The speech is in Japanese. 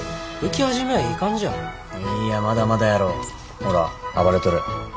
ほら暴れとる。